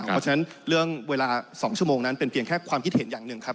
เพราะฉะนั้นเรื่องเวลา๒ชั่วโมงนั้นเป็นเพียงแค่ความคิดเห็นอย่างหนึ่งครับ